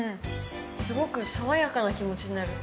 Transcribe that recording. すごくさわやかな気持ちになる。